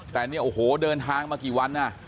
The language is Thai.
แต่เนี่ยโอ้โหเดินทางมากี่วันอ่ะ